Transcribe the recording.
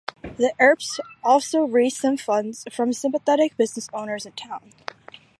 The Earps also raised some funds from sympathetic business owners in town.